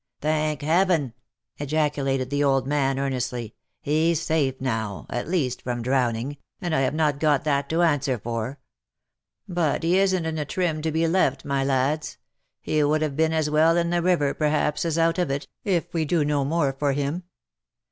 " Thank Heaven!" ejaculated the old man earnestly, " he's safe now, at least from drowning, and I have not got that to answer for. But he isn't in a trim to be left, my lads. He would have been as well in the river, perhaps, as out of it, if we do no more for him.'